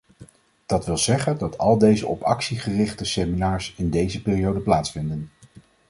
Dat wil zeggen dat al deze op actie gerichte seminars in deze periode plaatsvinden.